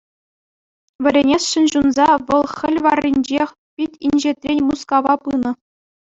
Вӗренесшӗн ҫунса, вӑл хӗл варринчех пит инҫетрен Мускава пынӑ.